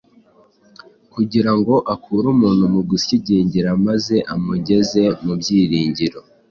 kugira ngo akure umuntu mu gusyigingira maze amugeze mu byiringiro,